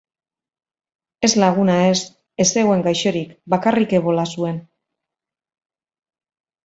Ez laguna ez, ez zegoen gaixorik, bakarrik ebola zuen.